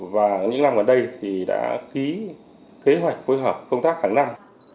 và những năm gần đây thì đã ký kế hoạch phối hợp công tác hàng năm